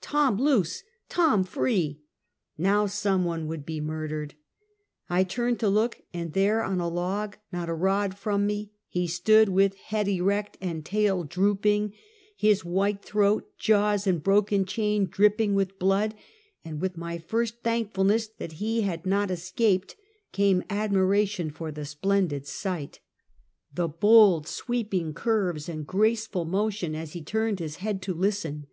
Tom loose! Tom free! ISTow some one would be murdered. I tu rned to look, and there on a log not a rod from me, he stood with head erect and tail drooping, his white throat, jaws and broken chain, dripping with blood, and with my first thankfulness that he had not escaped, came admiration for the splendid sight: the bold, sweeping curves and graceful motion as he turned his head to listen.